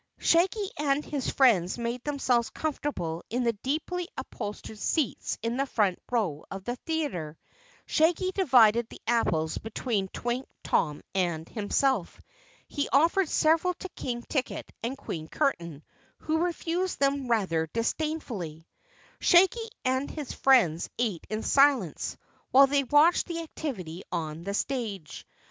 Shaggy and his friends made themselves comfortable in the deeply upholstered seats in the front row of the theater. Shaggy divided the apples between Twink, Tom, and himself. He offered several to King Ticket and Queen Curtain, who refused them rather disdainfully. Shaggy and his friends ate in silence while they watched the activity on the stage.